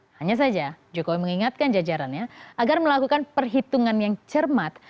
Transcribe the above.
hanya saja jokowi mengingatkan jajarannya agar melakukan perhitungan yang cermat